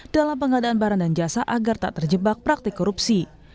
dalam pengadaan barang dan jasa agar tak terjebak praktik korupsi